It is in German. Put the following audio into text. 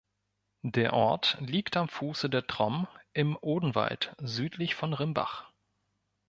Der Ort liegt am Fuße der Tromm im Odenwald südlich von Rimbach.